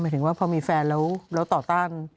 ถึงว่าพอมีแฟนแล้วต่อต้าน